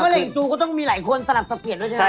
แหล่งจูก็ต้องมีหลายคนสลับสะเกียจด้วยใช่ไหม